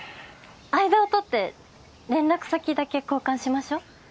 間を取って連絡先だけ交換しましょう。